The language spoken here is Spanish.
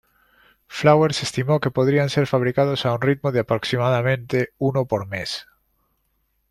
Flowers estimó que podrían ser fabricados a un ritmo de aproximadamente uno por mes.